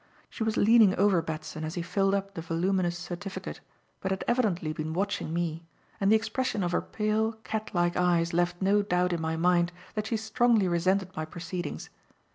She was leaning over Batson as he filled up the voluminous certificate, but had evidently been watching me, and the expression of her pale, catlike eyes left no doubt in my mind that she strongly resented my proceedings.